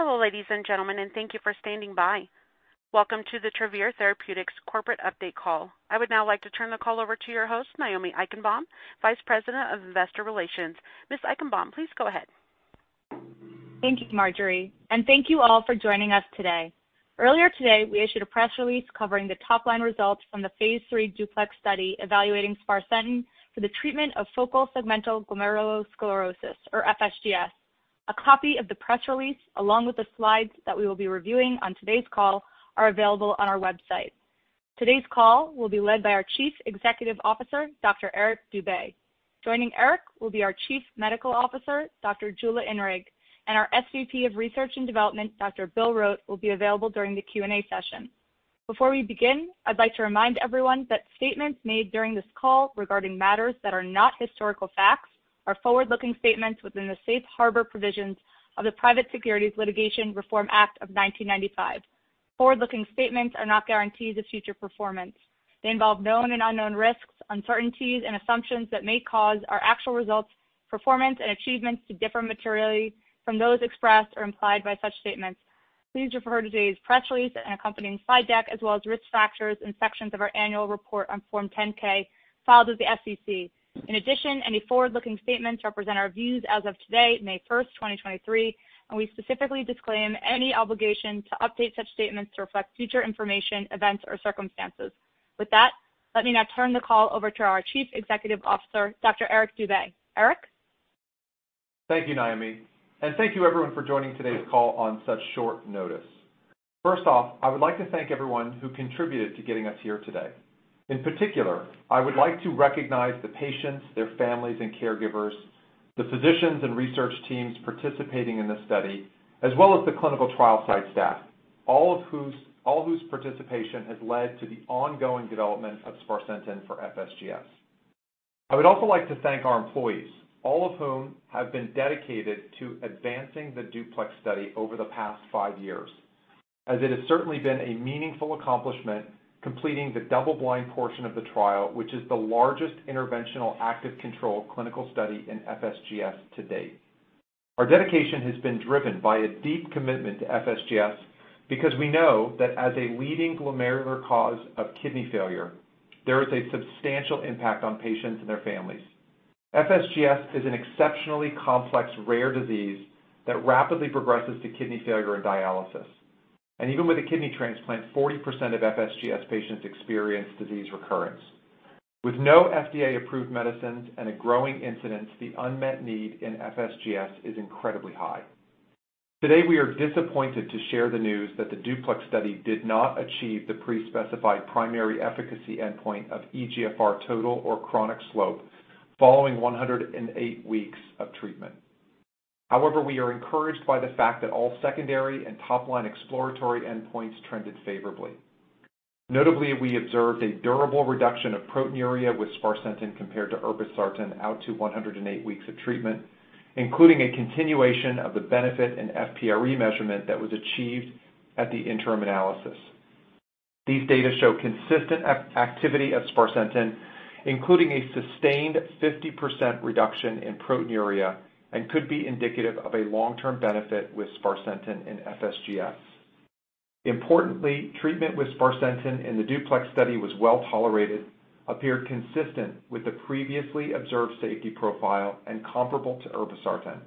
Hello, ladies and gentlemen, thank you for standing by. Welcome to the Travere Therapeutics Corporate Update Call. I would now like to turn the call over to your host, Naomi Eichenbaum, Vice President of Investor Relations. Ms. Eichenbaum, please go ahead. Thank you, Marjorie, thank you all for joining us today. Earlier today, we issued a press release covering the top-line results from the phase 3 DUPLEX study evaluating sparsentan for the treatment of focal segmental glomerulosclerosis, or FSGS. A copy of the press release, along with the slides that we will be reviewing on today's call, are available on our website. Today's call will be led by our Chief Executive Officer, Dr. Eric Dube. Joining Eric will be our Chief Medical Officer, Dr. Jula Inrig, and our SVP of Research and Development, Dr. Bill Rote, will be available during the Q&A session. Before we begin, I'd like to remind everyone that statements made during this call regarding matters that are not historical facts are forward-looking statements within the Safe Harbor provisions of the Private Securities Litigation Reform Act of 1995. Forward-looking statements are not guarantees of future performance. They involve known and unknown risks, uncertainties, and assumptions that may cause our actual results, performance, and achievements to differ materially from those expressed or implied by such statements. Please refer to today's press release and accompanying slide deck, as well as risk factors and sections of our annual report on Form 10-K filed with the SEC. In addition, any forward-looking statements represent our views as of today, May 1st, 2023, and we specifically disclaim any obligation to update such statements to reflect future information, events, or circumstances. With that, let me now turn the call over to our Chief Executive Officer, Dr. Eric Dube. Eric? Thank you, Naomi, and thank you everyone for joining today's call on such short notice. First off, I would like to thank everyone who contributed to getting us here today. In particular, I would like to recognize the patients, their families and caregivers, the physicians and research teams participating in this study, as well as the clinical trial site staff, all whose participation has led to the ongoing development of sparsentan for FSGS. I would also like to thank our employees, all of whom have been dedicated to advancing the DUPLEX study over the past five years, as it has certainly been a meaningful accomplishment completing the double-blind portion of the trial, which is the largest interventional active controlled clinical study in FSGS to date. Our dedication has been driven by a deep commitment to FSGS because we know that as a leading glomerular cause of kidney failure, there is a substantial impact on patients and their families. FSGS is an exceptionally complex, rare disease that rapidly progresses to kidney failure and dialysis. Even with a kidney transplant, 40% of FSGS patients experience disease recurrence. With no FDA-approved medicines and a growing incidence, the unmet need in FSGS is incredibly high. Today, we are disappointed to share the news that the DUPLEX study did not achieve the pre-specified primary efficacy endpoint of eGFR total or chronic slope following 108 weeks of treatment. We are encouraged by the fact that all secondary and top-line exploratory endpoints trended favorably. Notably, we observed a durable reduction of proteinuria with sparsentan compared to irbesartan out to 108 weeks of treatment, including a continuation of the benefit in FPRE measurement that was achieved at the interim analysis. These data show consistent activity of sparsentan, including a sustained 50% reduction in proteinuria and could be indicative of a long-term benefit with sparsentan in FSGS. Importantly, treatment with sparsentan in the DUPLEX study was well-tolerated, appeared consistent with the previously observed safety profile and comparable to irbesartan.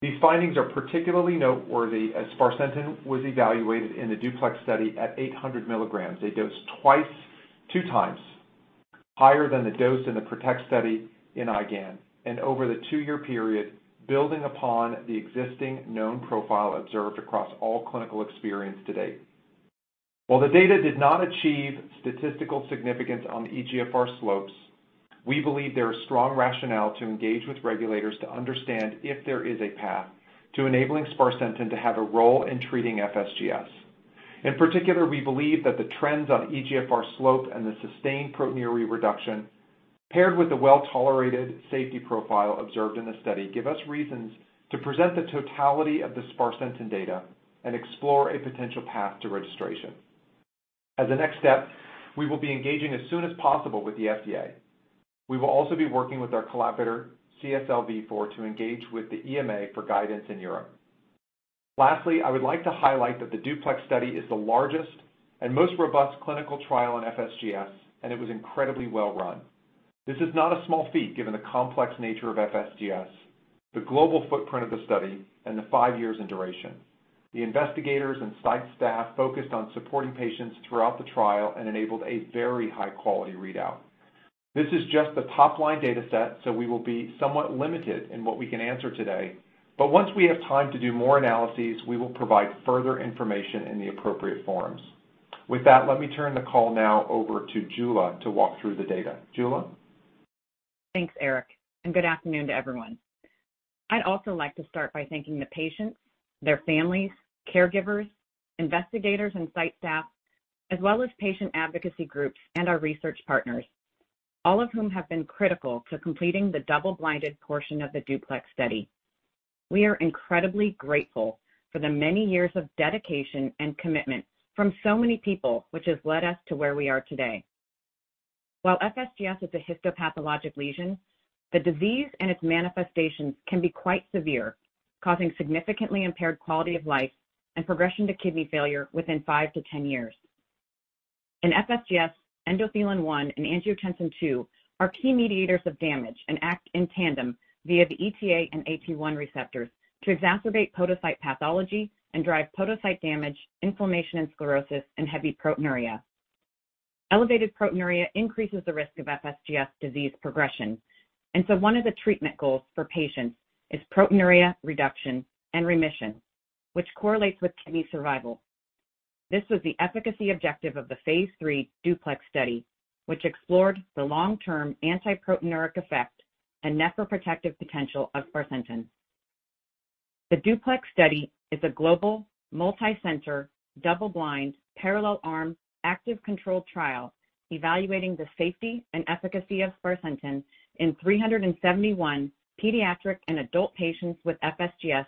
These findings are particularly noteworthy as sparsentan was evaluated in the DUPLEX study at 800 milligrams, a dose 2x higher than the dose in the PROTECT study in IgAN and over the two-year period, building upon the existing known profile observed across all clinical experience to date. While the data did not achieve statistical significance on the eGFR slopes, we believe there is strong rationale to engage with regulators to understand if there is a path to enabling sparsentan to have a role in treating FSGS. In particular, we believe that the trends on eGFR slope and the sustained proteinuria reduction paired with the well-tolerated safety profile observed in the study give us reasons to present the totality of the sparsentan data and explore a potential path to registration. As a next step, we will be engaging as soon as possible with the FDA. We will also be working with our collaborator, CSL Vifor, to engage with the EMA for guidance in Europe. Lastly, I would like to highlight that the DUPLEX study is the largest and most robust clinical trial in FSGS, and it was incredibly well run. This is not a small feat given the complex nature of FSGS, the global footprint of the study, and the five years in duration. The investigators and site staff focused on supporting patients throughout the trial and enabled a very high-quality readout. This is just the top-line data set, so we will be somewhat limited in what we can answer today. Once we have time to do more analyses, we will provide further information in the appropriate forums. With that, let me turn the call now over to Jula to walk through the data. Jula? Thanks, Eric. Good afternoon to everyone. I'd also like to start by thanking the patients, their families, caregivers, investigators, and site staff, as well as patient advocacy groups and our research partners, all of whom have been critical to completing the double-blinded portion of the DUPLEX study. We are incredibly grateful for the many years of dedication and commitment from so many people which has led us to where we are today. While FSGS is a histopathologic lesion, the disease and its manifestations can be quite severe, causing significantly impaired quality of life and progression to kidney failure within five to 10 years. In FSGS, endothelin-1 and angiotensin II are key mediators of damage and act in tandem via the ETA and AT1 receptors to exacerbate podocyte pathology and drive podocyte damage, inflammation and sclerosis, and heavy proteinuria. Elevated proteinuria increases the risk of FSGS disease progression, one of the treatment goals for patients is proteinuria reduction and remission, which correlates with kidney survival. This was the efficacy objective of the phase 3 DUPLEX study, which explored the long-term antiproteinuric effect and nephroprotective potential of sparsentan. The DUPLEX study is a global, multicenter, double-blind, parallel-arm, active-control trial evaluating the safety and efficacy of sparsentan in 371 pediatric and adult patients with FSGS,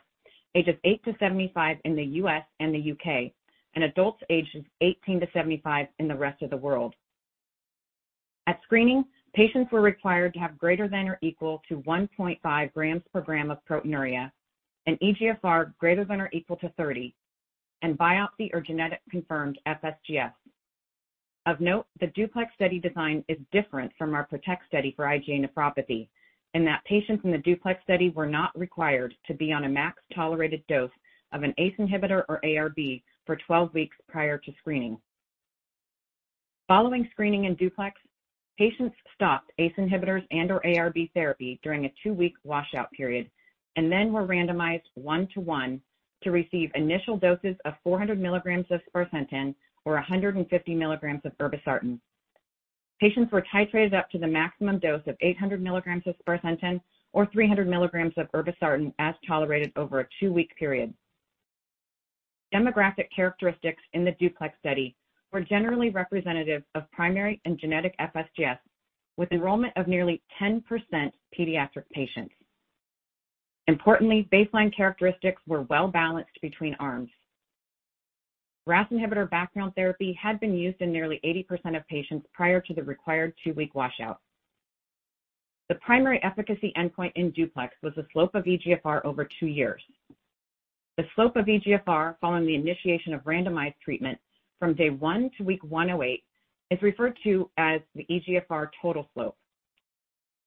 ages eight to 75 in the U.S. and the U.K., and adults ages 18 to 75 in the rest of the world. At screening, patients were required to have greater than or equal to 1.5 grams per gram of proteinuria, an eGFR greater than or equal to 30, and biopsy or genetic-confirmed FSGS. Of note, the DUPLEX study design is different from our PROTECT study for IgA nephropathy in that patients in the DUPLEX study were not required to be on a max tolerated dose of an ACE inhibitor or ARB for 12 weeks prior to screening. Following screening in DUPLEX, patients stopped ACE inhibitors and/or ARB therapy during a two-week washout period and then were randomized one-to-one to receive initial doses of 400 milligrams of sparsentan or 150 milligrams of irbesartan. Patients were titrated up to the maximum dose of 800 milligrams of sparsentan or 300 milligrams of irbesartan as tolerated over a two-week period. Demographic characteristics in the DUPLEX study were generally representative of primary and genetic FSGS, with enrollment of nearly 10% pediatric patients. Importantly, baseline characteristics were well-balanced between arms. RAS inhibitor background therapy had been used in nearly 80% of patients prior to the required two-week washout. The primary efficacy endpoint in DUPLEX was the slope of eGFR over two years. The slope of eGFR following the initiation of randomized treatment from day one to week 108 is referred to as the eGFR total slope.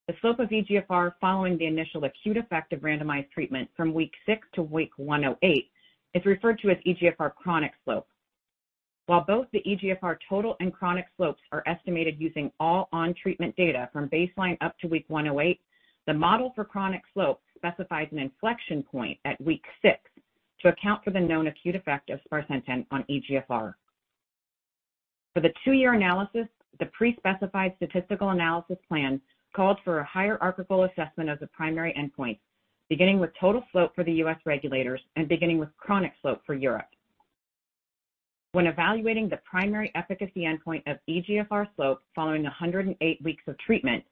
The slope of eGFR following the initial acute effect of randomized treatment from week six to week 108 is referred to as chronic slope. While both the eGFR total and chronic slopes are estimated using all on-treatment data from baseline up to week 108, the model for chronic slope specifies an inflection point at week six to account for the known acute effect of sparsentan on eGFR. For the two-year analysis, the pre-specified statistical analysis plan called for a hierarchical assessment of the primary endpoint, beginning with total slope for the U.S. regulators and beginning with chronic slope for Europe. When evaluating the primary efficacy endpoint of eGFR slope following 108 weeks of treatment,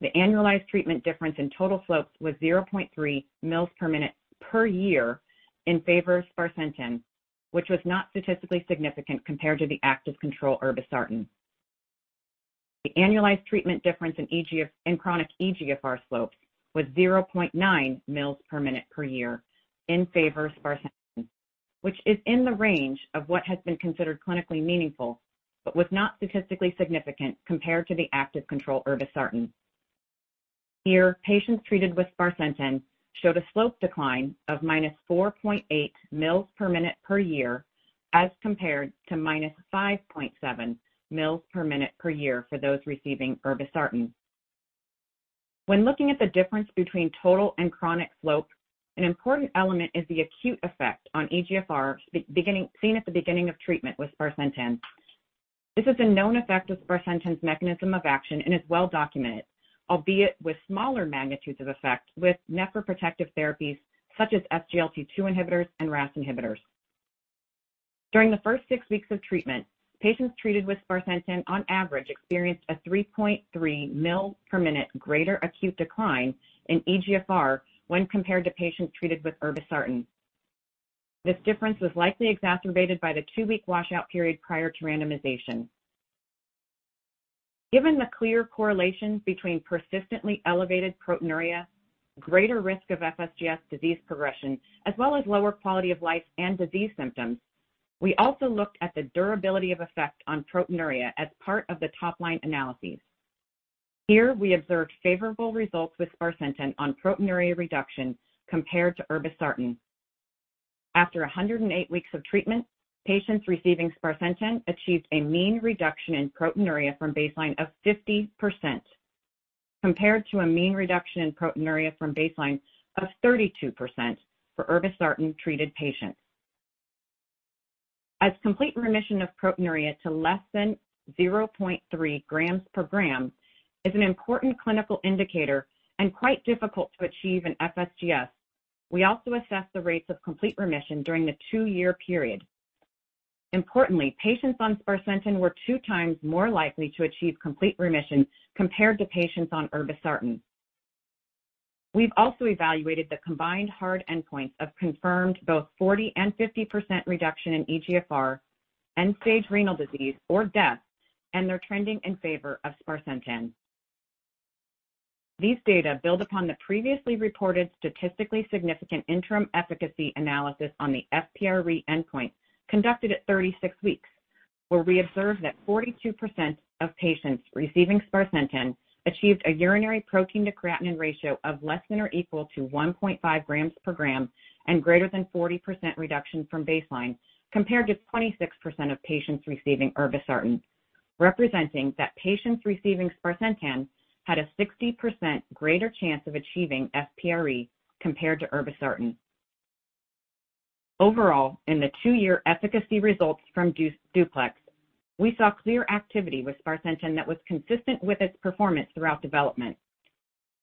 the annualized treatment difference in total slopes was 0.3 mL per minute per year in favor of sparsentan, which was not statistically significant compared to the active control irbesartan. The annualized treatment difference in chronic eGFR slopes was 0.9 mL per minute per year in favor of sparsentan, which is in the range of what has been considered clinically meaningful but was not statistically significant compared to the active control irbesartan. Here, patients treated with sparsentan showed a slope decline of -4.8 mLs per minute per year as compared to -5.7 mLs per minute per year for those receiving irbesartan. When looking at the difference between total and chronic slope, an important element is the acute effect on eGFR seen at the beginning of treatment with sparsentan. This is a known effect of sparsentan's mechanism of action and is well-documented, albeit with smaller magnitudes of effect with nephroprotective therapies such as SGLT2 inhibitors and RAS inhibitors. During the first six weeks of treatment, patients treated with sparsentan on average experienced a 3.3 mLs per minute greater acute decline in eGFR when compared to patients treated with irbesartan. This difference was likely exacerbated by the two-week washout period prior to randomization. Given the clear correlation between persistently elevated proteinuria, greater risk of FSGS disease progression, as well as lower quality of life and disease symptoms, we also looked at the durability of effect on proteinuria as part of the top-line analyses. Here, we observed favorable results with sparsentan on proteinuria reduction compared to irbesartan. After 108 weeks of treatment, patients receiving sparsentan achieved a mean reduction in proteinuria from baseline of 50%, compared to a mean reduction in proteinuria from baseline of 32% for irbesartan-treated patients. As complete remission of proteinuria to less than 0.3 grams per gram is an important clinical indicator and quite difficult to achieve in FSGS, we also assessed the rates of complete remission during the two-year period. Importantly, patients on sparsentan were 2x more likely to achieve complete remission compared to patients on irbesartan. We've also evaluated the combined hard endpoints of confirmed both 40% and 50% reduction in eGFR, end-stage renal disease or death, they're trending in favor of sparsentan. These data build upon the previously reported statistically significant interim efficacy analysis on the FPRE endpoint conducted at 36 weeks, where we observed that 42% of patients receiving sparsentan achieved a urinary protein to creatinine ratio of less than or equal to 1.5 grams per gram and greater than 40% reduction from baseline, compared to 26% of patients receiving irbesartan, representing that patients receiving sparsentan had a 60% greater chance of achieving FPRE compared to irbesartan. Overall in the two-year efficacy results from DUPLEX, we saw clear activity with sparsentan that was consistent with its performance throughout development.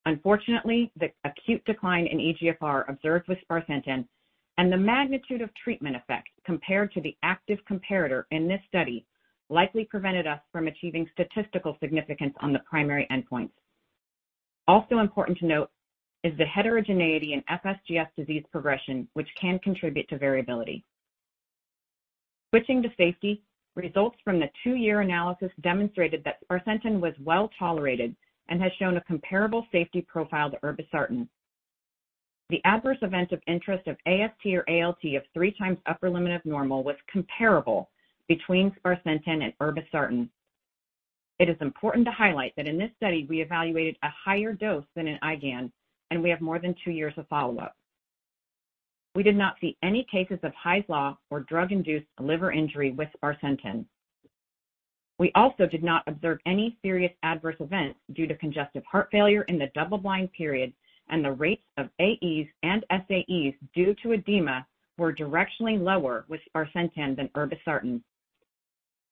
Unfortunately, the acute decline in eGFR observed with sparsentan and the magnitude of treatment effect compared to the active comparator in this study likely prevented us from achieving statistical significance on the primary endpoints. Important to note is the heterogeneity in FSGS disease progression, which can contribute to variability. Switching to safety, results from the two-year analysis demonstrated that sparsentan was well-tolerated and has shown a comparable safety profile to irbesartan. The adverse event of interest of AST or ALT of three times upper limit of normal was comparable between sparsentan and irbesartan. It is important to highlight that in this study, we evaluated a higher dose than in IgAN, and we have more than two years of follow-up. We did not see any cases of Hy’s law or drug induced liver injury with sparsentan. We also did not observe any serious adverse events due to congestive heart failure in the double-blind period, and the rates of AEs and SAEs due to edema were directionally lower with sparsentan than irbesartan.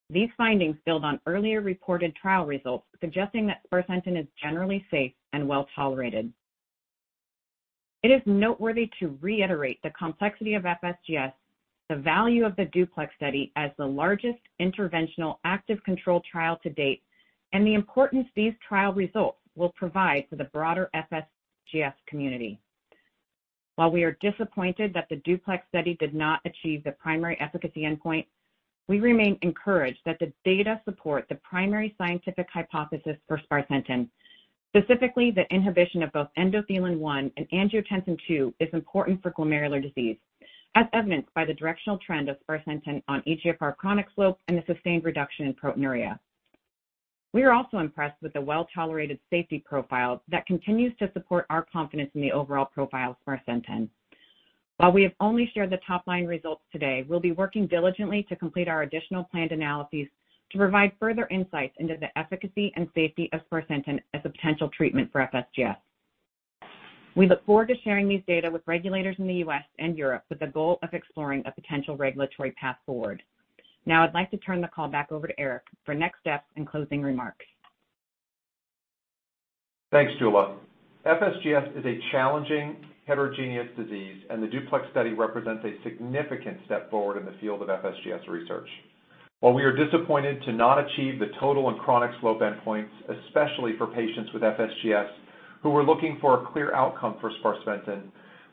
These findings build on earlier reported trial results suggesting that sparsentan is generally safe and well-tolerated. It is noteworthy to reiterate the complexity of FSGS, the value of the DUPLEX study as the largest interventional active controlled trial to date, and the importance these trial results will provide for the broader FSGS community. While we are disappointed that the DUPLEX study did not achieve the primary efficacy endpoint, we remain encouraged that the data support the primary scientific hypothesis for sparsentan. Specifically, the inhibition of both endothelin-1 and angiotensin II is important for glomerular disease, as evidenced by the directional trend of sparsentan on eGFR chronic slope and the sustained reduction in proteinuria. We are also impressed with the well-tolerated safety profile that continues to support our confidence in the overall profile of sparsentan. While we have only shared the top-line results today, we'll be working diligently to complete our additional planned analyses to provide further insights into the efficacy and safety of sparsentan as a potential treatment for FSGS. We look forward to sharing these data with regulators in the U.S. and Europe with the goal of exploring a potential regulatory path forward. I'd like to turn the call back over to Eric for next steps and closing remarks. Thanks, Jula. FSGS is a challenging heterogeneous disease, and the DUPLEX study represents a significant step forward in the field of FSGS research. While we are disappointed to not achieve the total and chronic slope endpoints, especially for patients with FSGS who were looking for a clear outcome for sparsentan,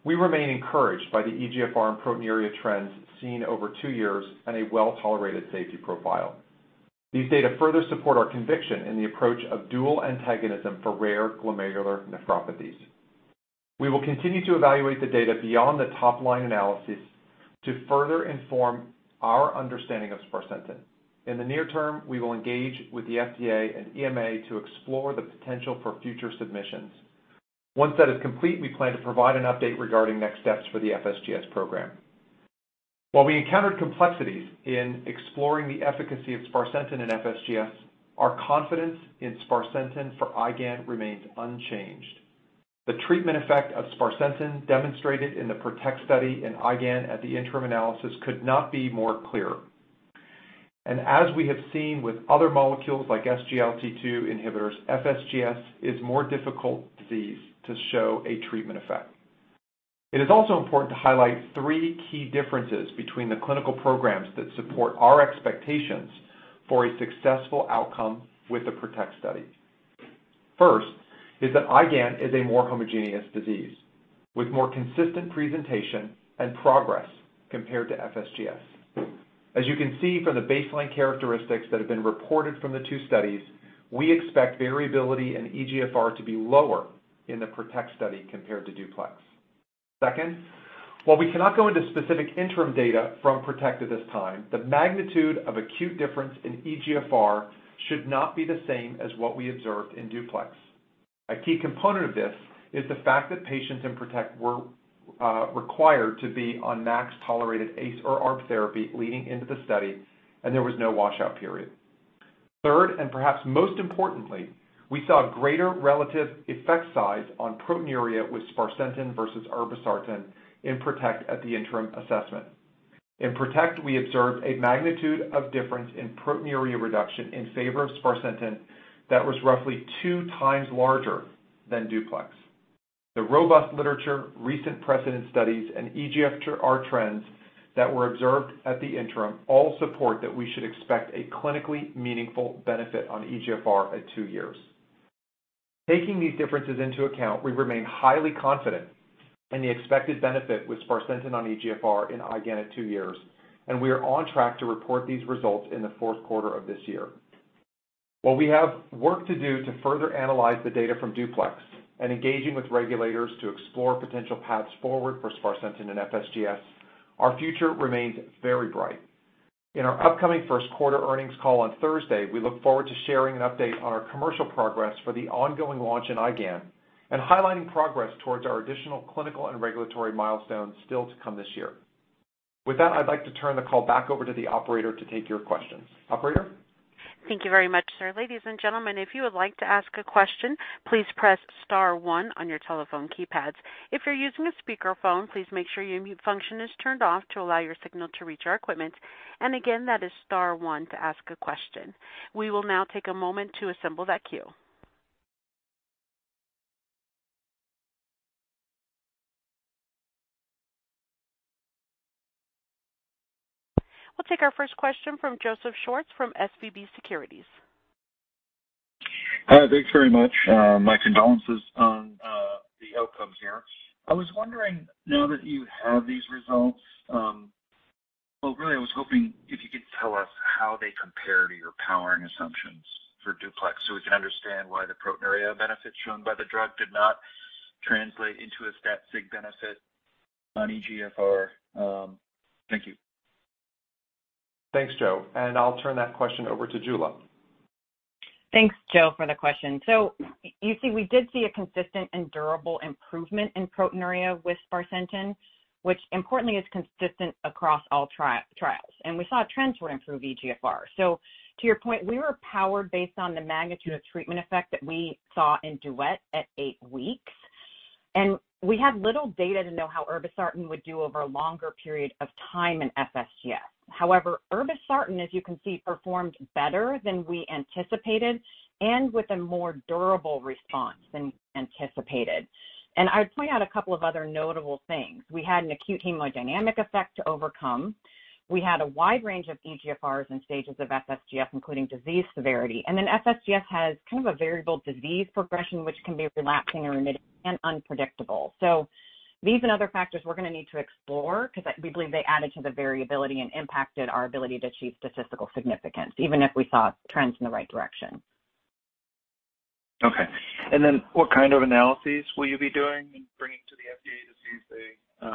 we remain encouraged by the eGFR and proteinuria trends seen over two years and a well-tolerated safety profile. These data further support our conviction in the approach of dual antagonism for rare glomerular nephropathies. We will continue to evaluate the data beyond the top-line analysis to further inform our understanding of sparsentan. In the near term, we will engage with the FDA and EMA to explore the potential for future submissions. Once that is complete, we plan to provide an update regarding next steps for the FSGS program. While we encountered complexities in exploring the efficacy of sparsentan in FSGS, our confidence in sparsentan for IgAN remains unchanged. The treatment effect of sparsentan demonstrated in the PROTECT study in IgAN at the interim analysis could not be more clear. As we have seen with other molecules like SGLT2 inhibitors, FSGS is a more difficult disease to show a treatment effect. It is also important to highlight three key differences between the clinical programs that support our expectations for a successful outcome with the PROTECT study. First is that IgAN is a more homogeneous disease with more consistent presentation and progress compared to FSGS. As you can see from the baseline characteristics that have been reported from the two studies, we expect variability in eGFR to be lower in the PROTECT study compared to DUPLEX. While we cannot go into specific interim data from PROTECT at this time, the magnitude of acute difference in eGFR should not be the same as what we observed in DUPLEX. A key component of this is the fact that patients in PROTECT were required to be on max-tolerated ACE or ARB therapy leading into the study, and there was no washout period. Perhaps most importantly, we saw a greater relative effect size on proteinuria with sparsentan versus irbesartan in PROTECT at the interim assessment. In PROTECT, we observed a magnitude of difference in proteinuria reduction in favor of sparsentan that was roughly two times larger than DUPLEX. The robust literature, recent precedent studies, and eGFR trends that were observed at the interim all support that we should expect a clinically meaningful benefit on eGFR at two years. Taking these differences into account, we remain highly confident in the expected benefit with sparsentan on eGFR in IgAN at two years, we are on track to report these results in the fourth quarter of this year. While we have work to do to further analyze the data from DUPLEX and engaging with regulators to explore potential paths forward for sparsentan and FSGS, our future remains very bright. In our upcoming first quarter earnings call on Thursday, we look forward to sharing an update on our commercial progress for the ongoing launch in IgAN and highlighting progress towards our additional clinical and regulatory milestones still to come this year. With that, I'd like to turn the call back over to the operator to take your questions. Operator? Thank you very much, sir. Ladies and gentlemen, if you would like to ask a question, please press star one on your telephone keypads. If you're using a speakerphone, please make sure your mute function is turned off to allow your signal to reach our equipment. Again, that is star one to ask a question. We will now take a moment to assemble that queue. We'll take our first question from Joseph Schwartz from SVB Securities. Hi. Thanks very much. My condolences on the outcomes here. I was wondering, now that you have these results, Well, really, I was hopingif you could tell us how they compare to your powering assumptions for DUPLEX so we can understand why the proteinuria benefits shown by the drug did not translate into a stat sig benefit on eGFR. Thank you. Thanks, Joe, and I'll turn that question over to Jula. Thanks, Joe, for the question. You see, we did see a consistent and durable improvement in proteinuria with sparsentan, which importantly is consistent across all tri-trials, and we saw a trend toward improved eGFR. To your point, we were powered based on the magnitude of treatment effect that we saw in DUET at eight weeks, and we had little data to know how irbesartan would do over a longer period of time in FSGS. However, irbesartan, as you can see, performed better than we anticipated and with a more durable response than anticipated. I'd point out a couple of other notable things. We had an acute hemodynamic effect to overcome. We had a wide range of eGFRs and stages of FSGS, including disease severity. FSGS has kind of a variable disease progression, which can be relapsing and remitting and unpredictable. These and other factors we're going to need to explore because we believe they added to the variability and impacted our ability to achieve statistical significance, even if we saw trends in the right direction. Okay. What kind of analyses will you be doing and bringing to the FDA to see if they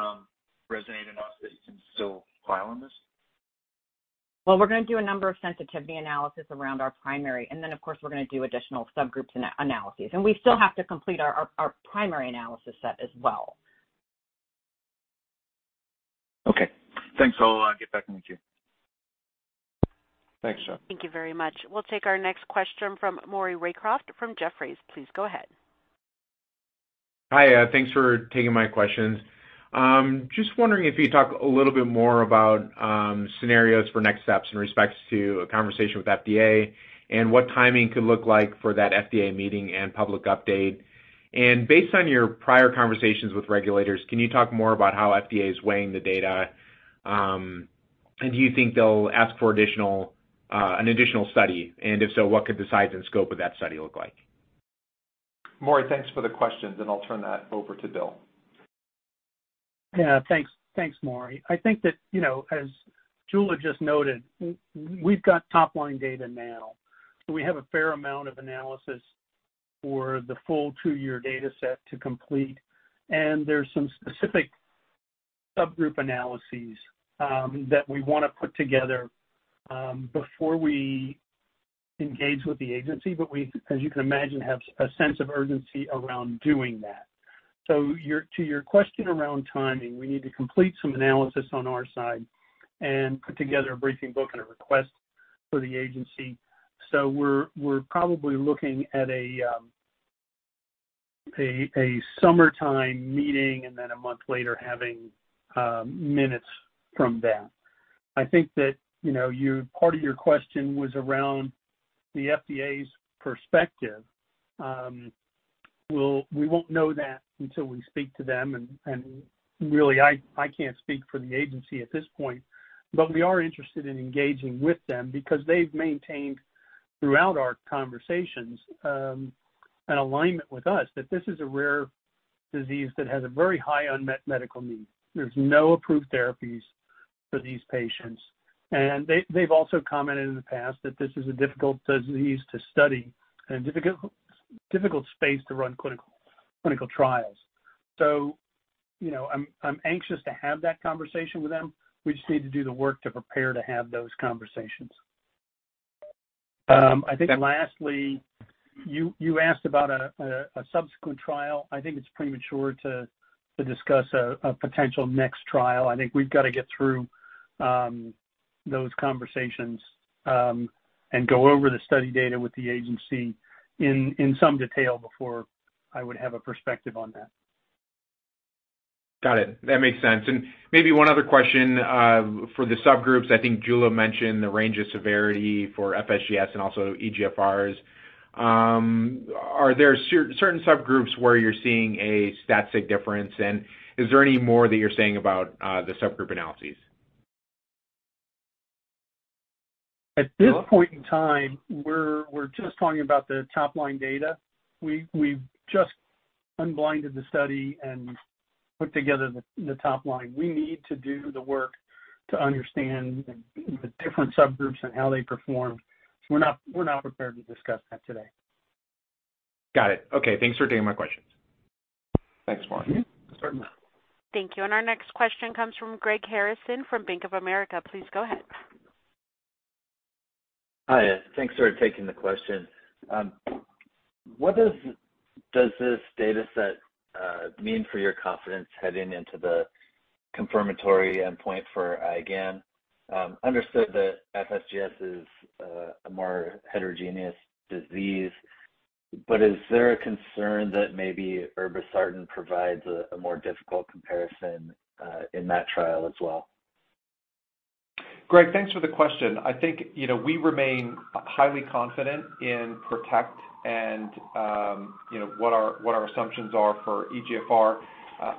resonate enough that you can still file on this? Well, we're going to do a number of sensitivity analysis around our primary. Then of course, we're going to do additional subgroups analysis. We still have to complete our primary analysis set as well. Okay. Thanks. I'll get back in the queue. Thanks, Joe. Thank you very much. We'll take our next question from Maury Raycroft from Jefferies. Please go ahead. Hi. Thanks for taking my questions. Just wondering if you'd talk a little bit more about scenarios for next steps in respects to a conversation with FDA and what timing could look like for that FDA meeting and public update? Based on your prior conversations with regulators, can you talk more about how FDA is weighing the data? Do you think they'll ask for an additional study? If so, what could the size and scope of that study look like? Maury, thanks for the questions, and I'll turn that over to Bill. Yeah, thanks. Thanks, Maury. I think that, you know, as Jula just noted, we've got top-line data now. We have a fair amount of analysis for the full two-year data set to complete, and there's some specific subgroup analyses that we want to put together before we engage with the agency. We, as you can imagine, have a sense of urgency around doing that. Your, to your question around timing, we need to complete some analysis on our side and put together a briefing book and a request for the agency. We're, we're probably looking at a summertime meeting and then a month later having minutes from that. I think that, you know, your, part of your question was around the FDA's perspective. We won't know that until we speak to them. Really, I can't speak for the agency at this point, but we are interested in engaging with them because they've maintained throughout our conversations, an alignment with us that this is a rare disease that has a very high unmet medical need. There's no approved therapies for these patients. They, they've also commented in the past that this is a difficult disease to study and difficult space to run clinical trials. You know, I'm anxious to have that conversation with them. We just need to do the work to prepare to have those conversations. I think lastly, you asked about a subsequent trial. I think it's premature to discuss a potential next trial. I think we've got to get through, those conversations, and go over the study data with the agency in some detail before I would have a perspective on that. Got it. That makes sense. Maybe one other question for the subgroups? I think Jula mentioned the range of severity for FSGS and also eGFRs. Are there certain subgroups where you're seeing a stat sig difference? Is there any more that you're saying about the subgroup analyses? At this point in time, we're just talking about the top-line data. We've just unblinded the study and put together the top line. We need to do the work to understand the different subgroups and how they performed. We're not prepared to discuss that today. Got it. Okay, thanks for taking my questions. Thanks, Maury. Certainly. Thank you. Our next question comes from Greg Harrison from Bank of America. Please go ahead. Hi, thanks for taking the question. What does this data set mean for your confidence heading into the confirmatory endpoint for IgAN? Understood that FSGS is a more heterogeneous disease, but is there a concern that maybe irbesartan provides a more difficult comparison in that trial as well? Greg, thanks for the question. I think, you know, we remain highly confident in PROTECT and, you know, what our assumptions are for eGFR.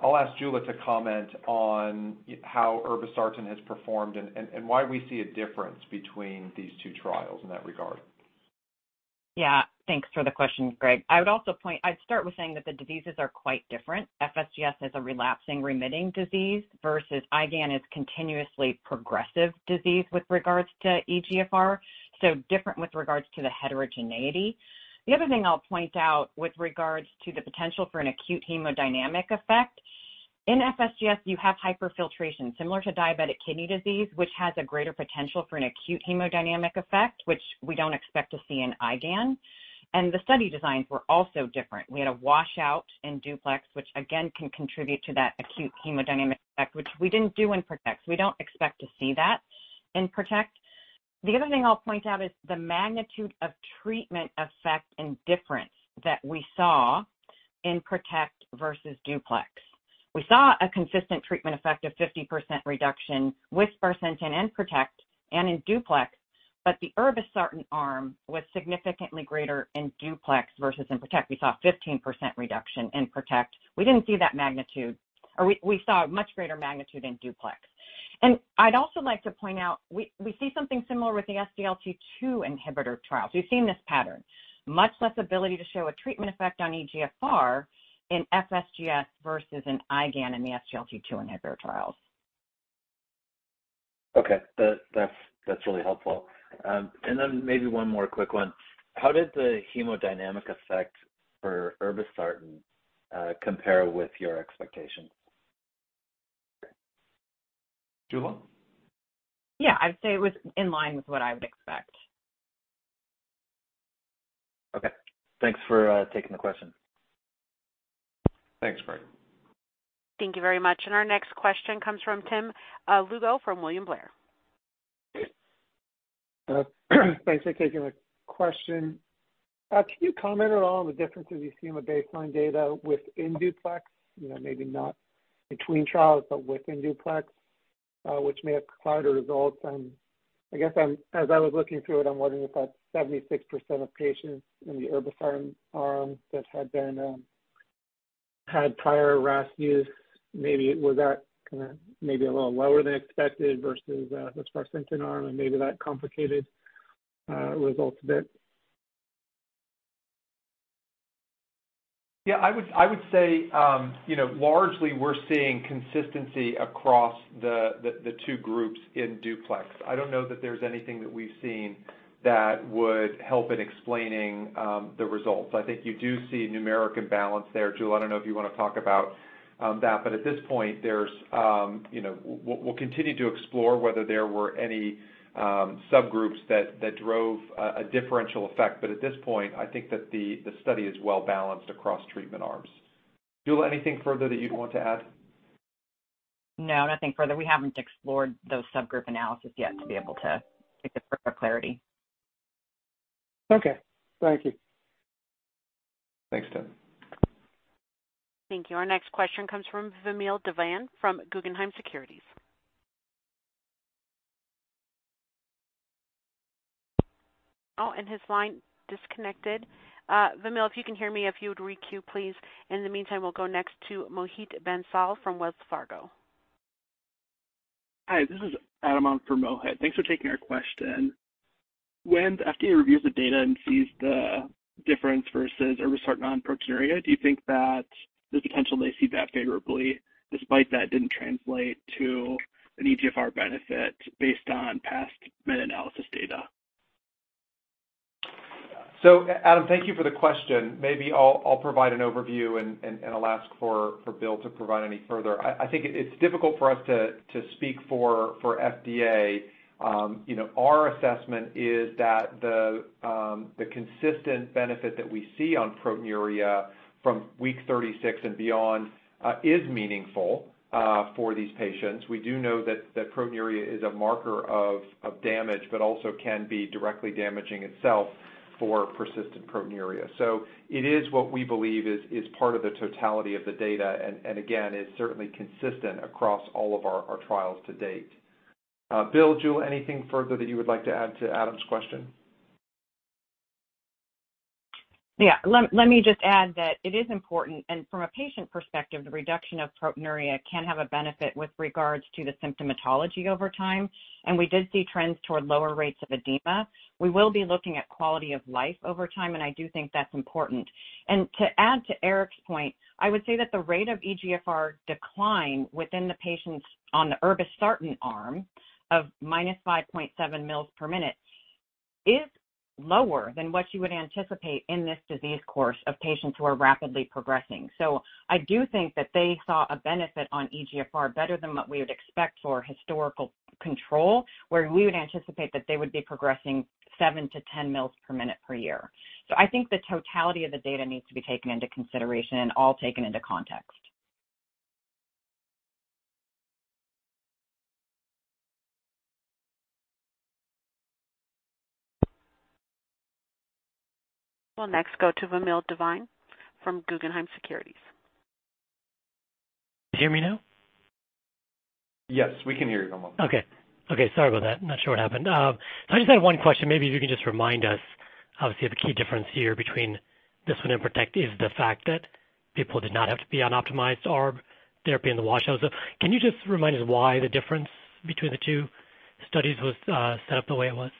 I'll ask Jula to comment on how irbesartan has performed and why we see a difference between these two trials in that regard. Thanks for the question, Greg. I'd start with saying that the diseases are quite different. FSGS is a relapsing-remitting disease, versus IgAN is continuously progressive disease with regards to eGFR, so different with regards to the heterogeneity. The other thing I'll point out with regards to the potential for an acute hemodynamic effect, in FSGS, you have hyperfiltration similar to diabetic kidney disease, which has a greater potential for an acute hemodynamic effect, which we don't expect to see in IgAN. The study designs were also different. We had a washout in DUPLEX, which again, can contribute to that acute hemodynamic effect, which we didn't do in PROTECT. We don't expect to see that in PROTECT. The other thing I'll point out is the magnitude of treatment effect and difference that we saw in PROTECT versus DUPLEX. We saw a consistent treatment effect of 50% reduction with sparsentan in PROTECT and in DUPLEX. The irbesartan arm was significantly greater in DUPLEX versus in PROTECT. We saw a 15% reduction in PROTECT. We didn't see that magnitude. We saw a much greater magnitude in DUPLEX. I'd also like to point out, we see something similar with the SGLT2 inhibitor trials. We've seen this pattern. Much less ability to show a treatment effect on eGFR in FSGS versus an IgAN in the SGLT2 inhibitor trials. Okay. That's really helpful. Then maybe one more quick one. How did the hemodynamic effect for irbesartan compare with your expectations? Jula? Yeah, I'd say it was in line with what I would expect. Okay. Thanks for taking the question. Thanks, Greg. Thank you very much. Our next question comes from Tim Lugo from William Blair. Thanks for taking my question. Can you comment at all on the differences you see in the baseline data within DUPLEX? You know, maybe not between trials, but within DUPLEX, which may have clouded results? I guess as I was looking through it, I'm wondering if that 76% of patients in the irbesartan arm that had been had prior RAS use, maybe was that kinda maybe a little lower than expected versus the sparsentan arm, and maybe that complicated results a bit? Yeah, I would say, you know, largely we're seeing consistency across the two groups in DUPLEX. I don't know that there's anything that we've seen that would help in explaining the results. I think you do see numeric imbalance there. Julie, I don't know if you wanna talk about that, but at this point there's, you know... We'll continue to explore whether there were any subgroups that drove a differential effect. At this point, I think that the study is well-balanced across treatment arms. Jula, anything further that you'd want to add? No, nothing further. We haven't explored those subgroup analysis yet to be able to speak with further clarity. Okay. Thank you. Thanks, Tim. Thank you. Our next question comes from Vamil Divan from Guggenheim Securities. Oh, his line disconnected. Vamil, if you can hear me, if you would re-queue, please. In the meantime, we'll go next to Mohit Bansal from Wells Fargo. Hi, this is Adam on for Mohit. Thanks for taking our question. When the FDA reviews the data and sees the difference versus irbesartan on proteinuria, do you think that there's potential they see that favorably despite that it didn't translate to an eGFR benefit based on past meta-analysis data? Adam, thank you for the question. Maybe I'll provide an overview and I'll ask for Bill to provide any further. I think it's difficult for us to speak for FDA. You know, our assessment is that the consistent benefit that we see on proteinuria from week 36 and beyond is meaningful for these patients. We do know that proteinuria is a marker of damage, but also can be directly damaging itself for persistent proteinuria. It is what we believe is part of the totality of the data and again, is certainly consistent across all of our trials to date. Bill, Jula, anything further that you would like to add to Adam's question? Yeah. Let me just add that it is important, and from a patient perspective, the reduction of proteinuria can have a benefit with regards to the symptomatology over time, and we did see trends toward lower rates of edema. We will be looking at quality of life over time, and I do think that's important. To add to Eric's point, I would say that the rate of eGFR decline within the patients on the irbesartan arm of -5.7 mL per minute is lower than what you would anticipate in this disease course of patients who are rapidly progressing. I do think that they saw a benefit on eGFR better than what we would expect for historical control, where we would anticipate that they would be progressing 7 mL-10 mL per minute per year. I think the totality of the data needs to be taken into consideration and all taken into context. We'll next go to Vamil Divan from Guggenheim Securities. Can you hear me now? Yes, we can hear you, Vamil. Okay. Okay, sorry about that. Not sure what happened. I just had one question. Maybe if you can just remind us, obviously, the key difference here between this one and PROTECT is the fact that people did not have to be on optimized ARB therapy in the washout. Can you just remind us why the difference between the two studies was set up the way it was?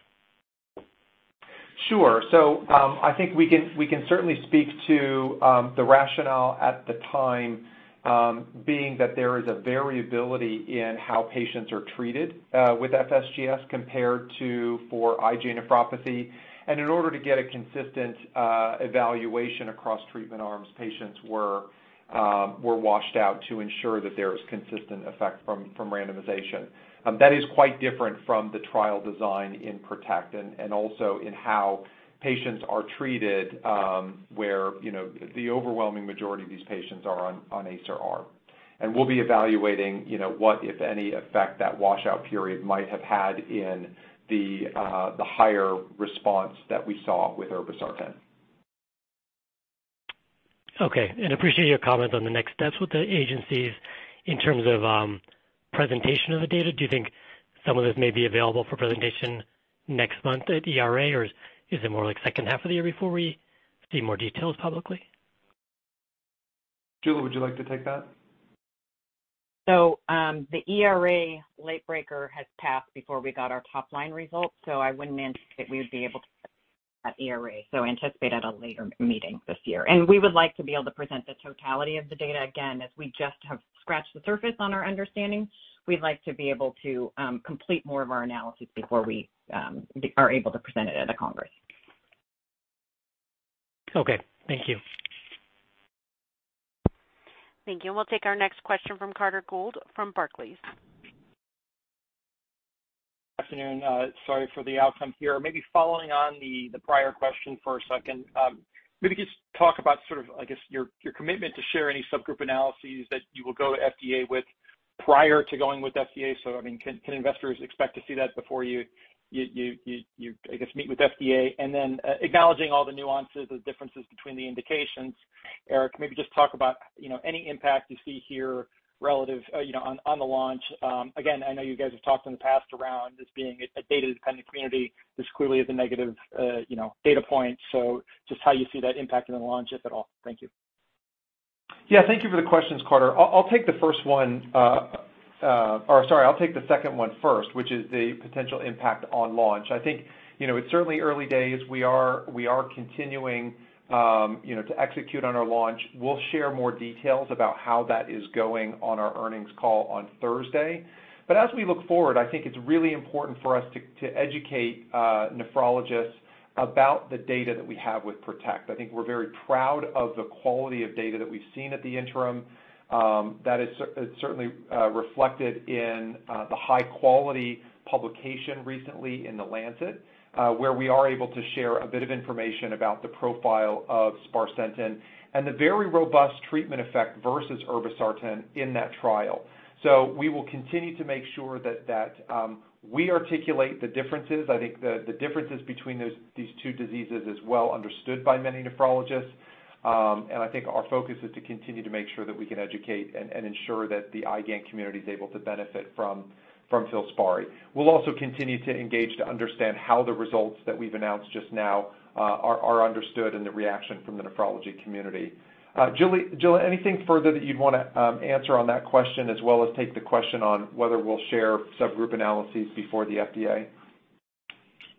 Sure. I think we can certainly speak to the rationale at the time being that there is a variability in how patients are treated with FSGS compared to for IgA nephropathy. In order to get a consistent evaluation across treatment arms, patients were washed out to ensure that there is consistent effect from randomization. That is quite different from the trial design in PROTECT and also in how patients are treated, where, you know, the overwhelming majority of these patients are on ACE or ARB. We'll be evaluating, you know, what, if any effect that washout period might have had in the higher response that we saw with irbesartan. Okay. Appreciate your comment on the next steps with the agencies in terms of presentation of the data. Do you think some of this may be available for presentation next month at ERA, or is it more like second half of the year before we see more details publicly? Jula, would you like to take that? The ERA late breaker has passed before we got our top line results, so I wouldn't anticipate we would be able to at ERA, so anticipate at a later meeting this year. We would like to be able to present the totality of the data. Again, as we just have scratched the surface on our understanding, we'd like to be able to complete more of our analysis before we are able to present it at a congress. Okay. Thank you. Thank you. We'll take our next question from Carter Gould from Barclays. Good afternoon. Sorry for the outcome here. Maybe following on the prior question for a second, maybe just talk about sort of, I guess, your commitment to share any subgroup analyses that you will go to FDA with prior to going with FDA. I mean, can investors expect to see that before you, I guess, meet with FDA? Acknowledging all the nuances and differences between the indications, Eric, maybe just talk about, you know, any impact you see here relative, you know, on the launch. Again, I know you guys have talked in the past around this being a data-dependent community. This clearly is a negative, you know, data point. Just how you see that impacting the launch, if at all. Thank you. Yeah, thank you for the questions, Carter. I'll take the first one. Sorry, I'll take the second one first, which is the potential impact on launch. I think, you know, it's certainly early days. We are continuing, you know, to execute on our launch. We'll share more details about how that is going on our earnings call on Thursday. As we look forward, I think it's really important for us to educate nephrologists about the data that we have with PROTECT. I think we're very proud of the quality of data that we've seen at the interim. That is certainly reflected in the high-quality publication recently in The Lancet, where we are able to share a bit of information about the profile of sparsentan and the very robust treatment effect versus irbesartan in that trial. We will continue to make sure that we articulate the differences. I think the differences between these two diseases is well understood by many nephrologists. I think our focus is to continue to make sure that we can educate and ensure that the IgAN community is able to benefit from FILSPARI. We'll also continue to engage to understand how the results that we've announced just now are understood and the reaction from the nephrology community. Julie, anything further that you'd wanna answer on that question as well as take the question on whether we'll share subgroup analyses before the FDA?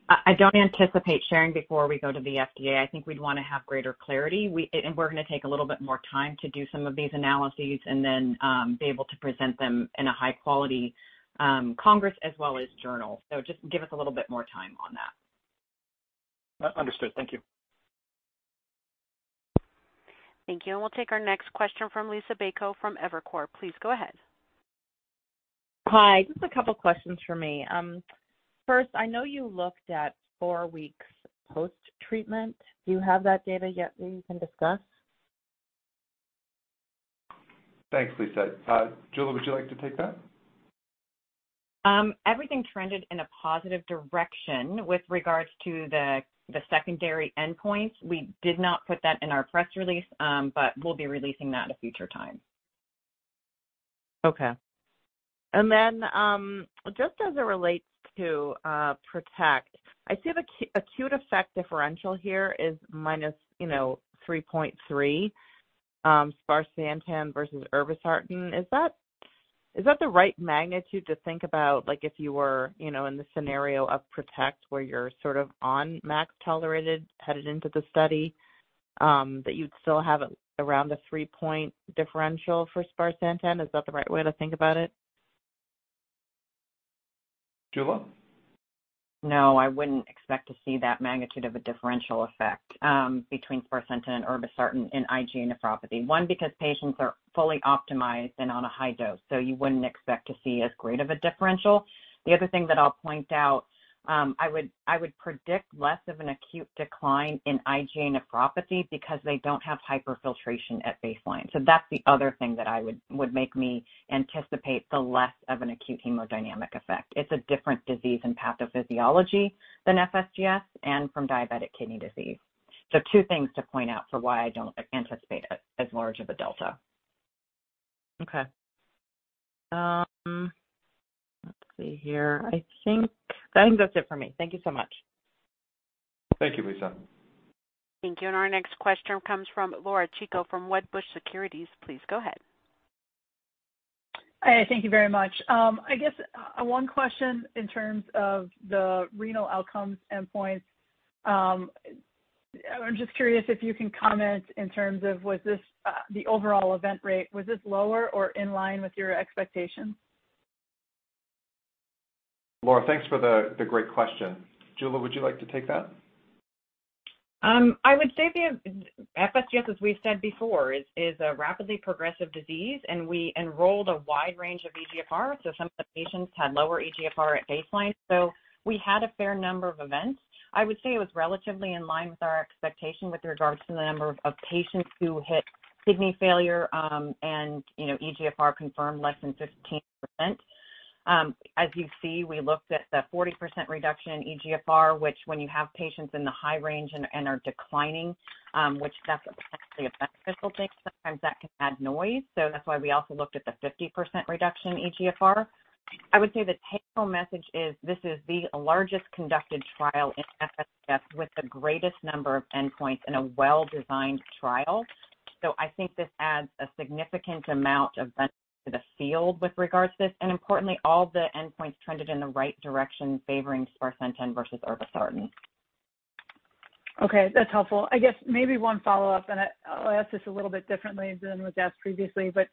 I don't anticipate sharing before we go to the FDA. I think we'd want to have greater clarity. We're gonna take a little bit more time to do some of these analyses and then be able to present them in a high-quality congress as well as journal. Just give us a little bit more time on that. Understood. Thank you. Thank you. We'll take our next question from Liisa Bayko from Evercore. Please go ahead. Hi. Just a couple questions for me. First, I know you looked at four weeks post-treatment. Do you have that data yet that you can discuss? Thanks, Liisa. Jula, would you like to take that? Everything trended in a positive direction with regards to the secondary endpoints. We did not put that in our press release. We'll be releasing that at a future time. Okay. Just as it relates to PROTECT, I see the acute effect differential here is minus, you know, 3.3 sparsentan versus irbesartan. Is that the right magnitude to think about, like, if you were, you know, in the scenario of PROTECT where you're sort of on max tolerated headed into the study, that you'd still have around a three-point differential for sparsentan? Is that the right way to think about it? Jula? I wouldn't expect to see that magnitude of a differential effect between sparsentan and irbesartan in IgAN. Because patients are fully optimized and on a high dose, you wouldn't expect to see as great of a differential. The other thing that I'll point out, I would predict less of an acute decline in IgAN because they don't have hyperfiltration at baseline. That's the other thing that would make me anticipate the less of an acute hemodynamic effect. It's a different disease and pathophysiology than FSGS and from diabetic kidney disease. Two things to point out for why I don't anticipate as large of a delta. Okay. Let's see here. I think that's it for me. Thank you so much. Thank you, Lisa. Thank you. Our next question comes from Laura Chico from Wedbush Securities. Please go ahead. Hi, thank you very much. I guess one question in terms of the renal outcomes endpoints. I'm just curious if you can comment in terms of was this the overall event rate, was this lower or in line with your expectations? Laura, thanks for the great question. Jula, would you like to take that? I would say FSGS, as we've said before, is a rapidly progressive disease and we enrolled a wide range of eGFR. Some of the patients had lower eGFR at baseline, so we had a fair number of events. I would say it was relatively in line with our expectation with regards to the number of patients who hit kidney failure, and, you know, eGFR confirmed less than 15%. As you see, we looked at the 40% reduction in eGFR, which when you have patients in the high range and are declining, which that's potentially a beneficial thing, sometimes that can add noise. That's why we also looked at the 50% reduction in eGFR. I would say the take-home message is this is the largest conducted trial in FSGS with the greatest number of endpoints in a well-designed trial.I think this adds a significant amount of benefit to the field with regards to this. Importantly, all the endpoints trended in the right direction, favoring sparsentan versus irbesartan. Okay, that's helpful. I guess maybe one follow-up, and I'll ask this a little bit differently than was asked previously, but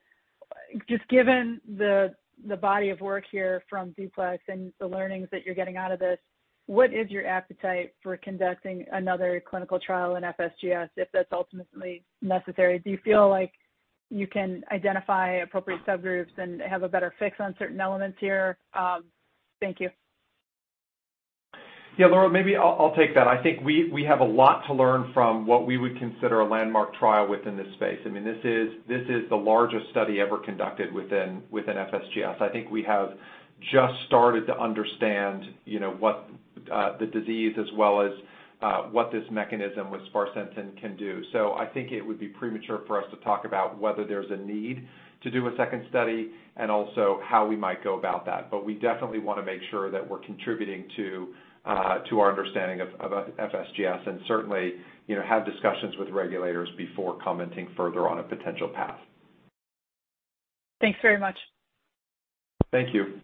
just given the body of work here from DUPLEX and the learnings that you're getting out of this, what is your appetite for conducting another clinical trial in FSGS if that's ultimately necessary? Do you feel like you can identify appropriate subgroups and have a better fix on certain elements here? Thank you. Yeah, Laura, maybe I'll take that. I think we have a lot to learn from what we would consider a landmark trial within this space. I mean, this is the largest study ever conducted within FSGS. I think we have just started to understand, you know, what the disease as well as what this mechanism with sparsentan can do. I think it would be premature for us to talk about whether there's a need to do a second study and also how we might go about that. We definitely want to make sure that we're contributing to our understanding of FSGS and certainly, you know, have discussions with regulators before commenting further on a potential path. Thanks very much. Thank you.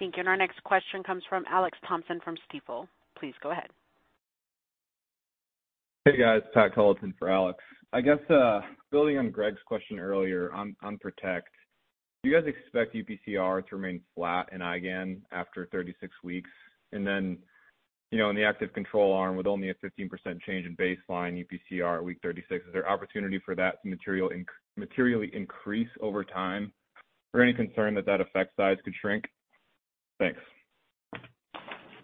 Thank you. Our next question comes from Alex Thompson from Stifel. Please go ahead. Hey, guys. Pat Culliton for Alex. I guess, building on Greg's question earlier on PROTECT, do you guys expect UPCR to remain flat in IgAN after 36 weeks? You know, in the active control arm with only a 15% change in baseline UPCR at week 36, is there opportunity for that to materially increase over time? Any concern that that effect size could shrink? Thanks.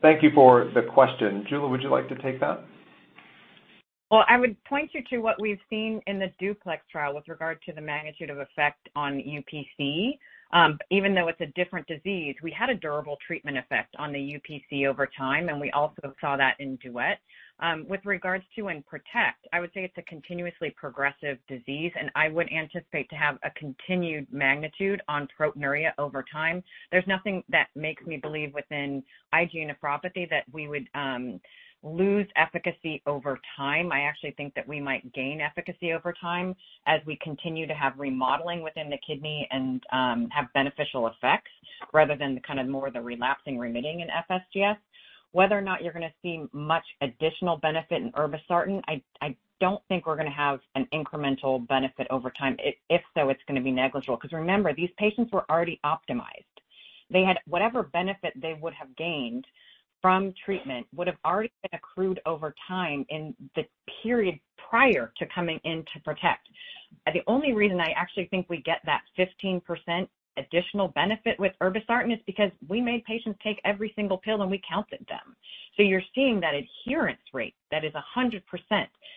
Thank you for the question. Jula, would you like to take that? I would point you to what we've seen in the DUPLEX trial with regard to the magnitude of effect on UPC. Even though it's a different disease, we had a durable treatment effect on the UPC over time, and we also saw that in DUET. With regards to in PROTECT, I would say it's a continuously progressive disease, and I would anticipate to have a continued magnitude on proteinuria over time. There's nothing that makes me believe within IgAN nephropathy that we would lose efficacy over time. I actually think that we might gain efficacy over time as we continue to have remodeling within the kidney and have beneficial effects rather than the kind of more the relapsing remitting in FSGS. Whether or not you're going to see much additional benefit in irbesartan, I don't think we're going to have an incremental benefit over time. If so, it's going to be negligible because remember, these patients were already optimized. They had whatever benefit they would have gained from treatment would have already been accrued over time in the period prior to coming in to PROTECT. The only reason I actually think we get that 15% additional benefit with irbesartan is because we made patients take every single pill, and we counted them. You're seeing that adherence rate that is 100%,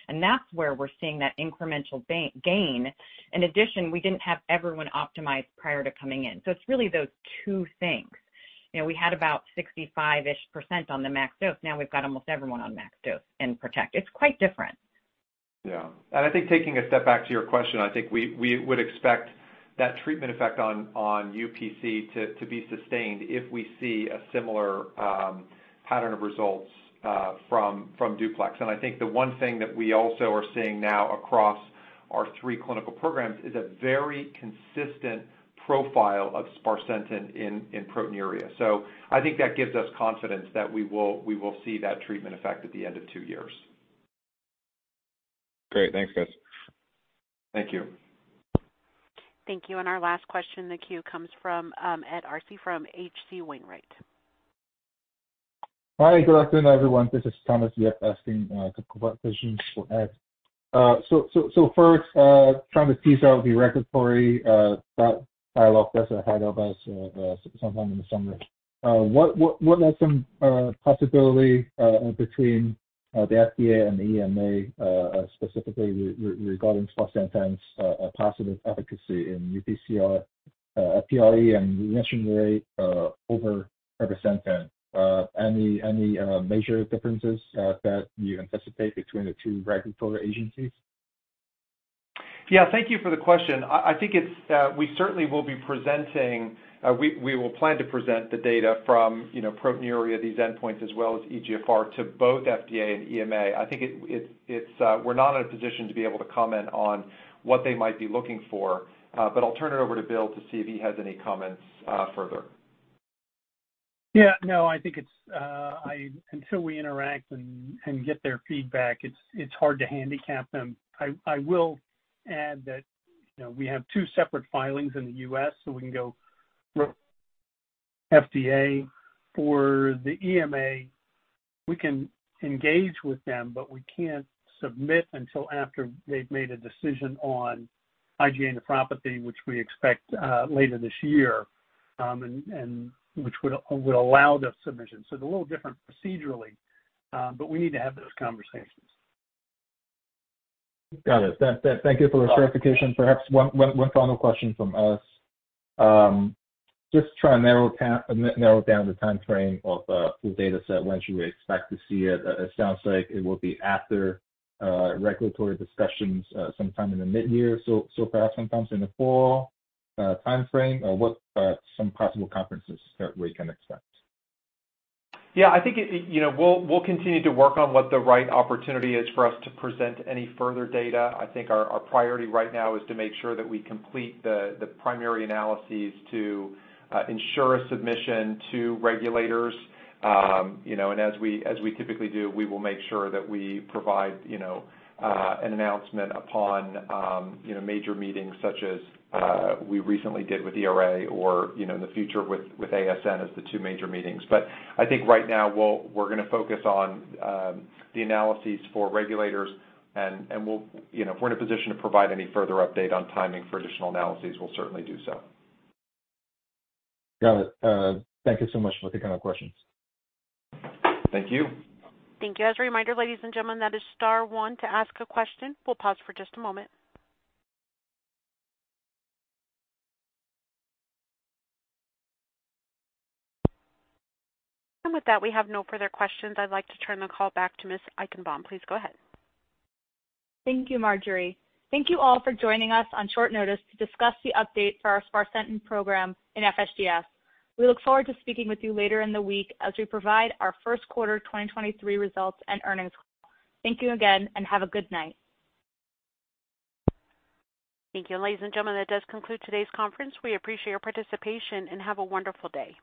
and that's where we're seeing that incremental gain. In addition, we didn't have everyone optimized prior to coming in. It's really those two things. You know, we had about 65-ish% on the max dose. Now we've got almost everyone on max dose in PROTECT. It's quite different. Yeah. I think taking a step back to your question, I think we would expect that treatment effect on UPC to be sustained if we see a similar pattern of results from DUPLEX. I think the one thing that we also are seeing now across our three clinical programs is a very consistent profile of sparsentan in proteinuria. I think that gives us confidence that we will see that treatment effect at the end of two years. Great. Thanks, guys. Thank you. Thank you. Our last question in the queue comes from Ed Arce from H.C. Wainwright. Hi, good afternoon, everyone. This is Thomas Yip asking a couple of questions for Ed. First, trying to tease out the regulatory thought dialogue that's ahead of us sometime in the summer. What are some possibility between the FDA and the EMA, specifically regarding sparsentan's positive efficacy in UPCR, PRE and remission rate over irbesartan? Any major differences that you anticipate between the two regulatory agencies? Yeah, thank you for the question. I think it's, we certainly will be presenting, we will plan to present the data from, you know, proteinuria, these endpoints, as well as eGFR to both FDA and EMA. I think it's, we're not in a position to be able to comment on what they might be looking for, but I'll turn it over to Bill to see if he has any comments, further. Yeah. No, I think it's, until we interact and get their feedback, it's hard to handicap them. I will add that, you know, we have two separate filings in the U.S., so we can go FDA. For the EMA, we can engage with them, but we can't submit until after they've made a decision on IgA nephropathy, which we expect later this year, and which would allow the submission. They're a little different procedurally, but we need to have those conversations. Got it. Thank you for the clarification. Perhaps one final question from us. Just trying to narrow down the timeframe of the data set, once you would expect to see it. It sounds like it will be after regulatory discussions, sometime in the mid-year. Perhaps sometimes in the fall timeframe, or what are some possible conferences that we can expect? Yeah, you know, we'll continue to work on what the right opportunity is for us to present any further data. I think our priority right now is to make sure that we complete the primary analyses to ensure a submission to regulators. You know, as we typically do, we will make sure that we provide, you know, an announcement upon, you know, major meetings such as we recently did with ERA or, you know, in the future with ASN as the two major meetings. I think right now we're gonna focus on the analyses for regulators and we'll. You know, if we're in a position to provide any further update on timing for additional analyses, we'll certainly do so. Got it. Thank you so much for the kind of questions. Thank you. Thank you. As a reminder, ladies and gentlemen, that is star one to ask a question. We'll pause for just a moment. With that, we have no further questions. I'd like to turn the call back to Ms. Eichenbaum. Please go ahead. Thank you, Marjorie. Thank you all for joining us on short notice to discuss the update for our sparsentan program in FSGS. We look forward to speaking with you later in the week as we provide our first quarter 2023 results and earnings. Thank you again, have a good night. Thank you. Ladies and gentlemen, that does conclude today's conference. We appreciate your participation, and have a wonderful day.